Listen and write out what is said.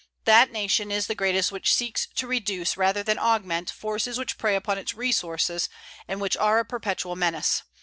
That nation is the greatest which seeks to reduce, rather than augment, forces which prey upon its resources and which are a perpetual menace.